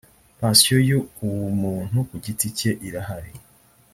pansiyo yu umuntu ku giti cyeirahari